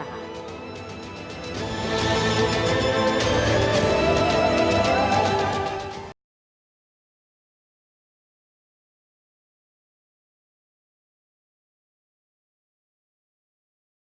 untuk sementara bijb akan menjadi bandara embarkasi haji antara